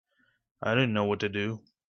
I didn't know what to do.